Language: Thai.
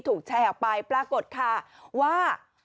ถูกแชร์ออกไปปรากฏค่ะว่า